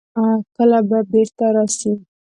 کله به بېرته راسي.